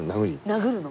殴るの？